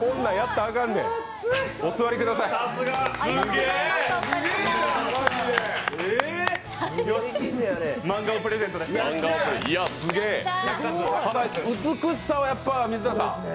ただ美しさはやっぱ、水田さん。